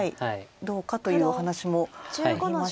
どうかというお話もありましたよね。